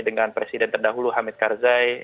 dengan presiden terdahulu hamid karzai